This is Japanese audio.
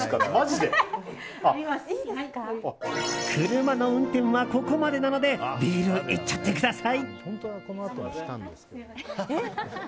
車の運転はここまでなのでビールいっちゃってください！